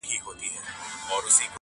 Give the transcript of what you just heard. تر حمام وروسته مي ډېر ضروري کار دی -